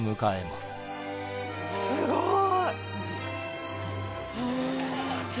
すごい。